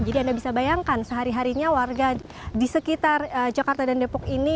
jadi anda bisa bayangkan sehari harinya warga di sekitar jakarta dan depok ini